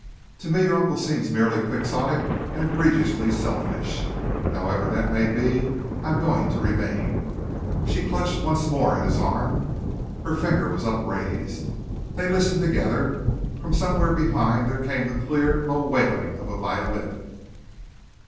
To me your uncle seems merely quixotic and egregiously selfish. However that may be, I am going to remain." She clutched once more at his arm, her finger was upraised. They listened together. From somewhere behind them came the clear, low wailing of a violin.